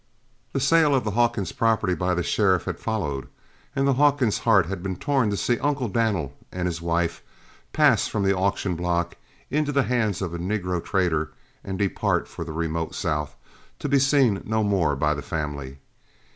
The sale of the Hawkins property by the Sheriff had followed, and the Hawkins hearts been torn to see Uncle Dan'l and his wife pass from the auction block into the hands of a negro trader and depart for the remote South to be seen no more by the family.